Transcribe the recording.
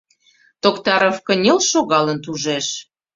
— Токтаров кынел шогалын тужеш.